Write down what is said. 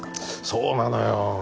そうなのよ